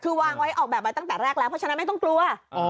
คือวางไว้ออกแบบมาตั้งแต่แรกแล้วเพราะฉะนั้นไม่ต้องกลัว